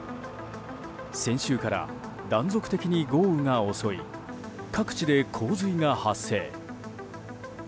先週から断続的に豪雨が襲い各地で洪水が発生。